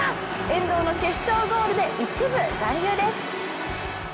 遠藤の決勝ゴールで１部残留です。